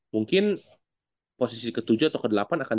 mungkin posisi ke tujuh atau ke delapan akan